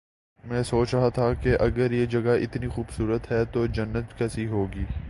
میں سوچ رہا تھا کہ اگر یہ جگہ اتنی خوب صورت ہے تو جنت کیسی ہو گی